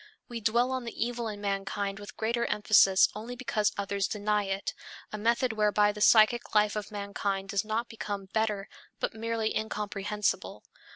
We dwell on the evil in mankind with greater emphasis only because others deny it, a method whereby the psychic life of mankind does not become better, but merely incomprehensible.